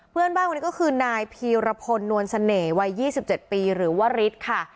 เพื่อนบ้านคนนี้ก็คือนายพีรพลนวลเสน่ห์วัย๒๗ปีหรือว่าฤทธิ์ค่ะ